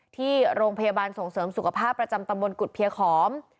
ที่โรงพยาบาลส่งเสริมสุขภาพประจำตำบลกุฎเพียขอม